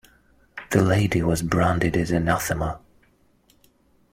The lady was branded an anathema.